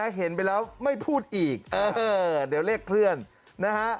ใช่ค่ะ